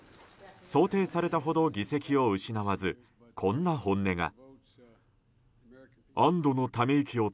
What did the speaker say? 想定されたほど議席を失わずこんな本音が。